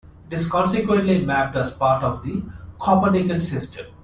It is consequently mapped as part of the Copernican System.